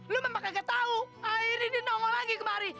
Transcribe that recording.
lo memang gak tau akhirnya dia nongol lagi kemari